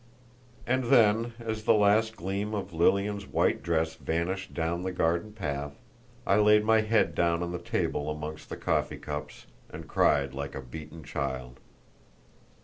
And then, as the last gleam of Lilian's white dress vanished down the garden path, I laid my head down on the table among the coffee cups, and cried like a beaten child.